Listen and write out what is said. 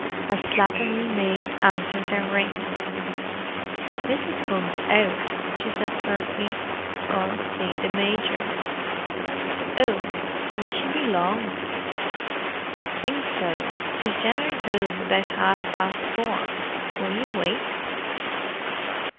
A slatternly maid answered their ring. "Mrs. Hunt's out," she said curtly. "Gorn to see the Mijor." "Oh—will she be long?" "Don't think so—she's gen'lly home about half past four. Will yer wait?"